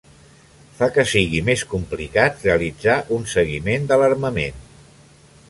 Fa que sigui més complicat realitzar un seguiment de l'armament.